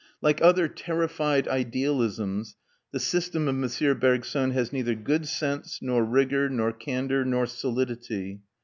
Like other terrified idealisms, the system of M. Bergson has neither good sense, nor rigour, nor candour, nor solidity.